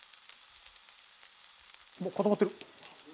もう固まってる？